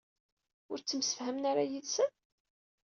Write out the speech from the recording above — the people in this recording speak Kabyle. Ur ttemsefhamen ara yid-sen?